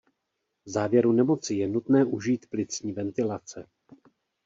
V závěru nemoci je nutné užít plicní ventilace.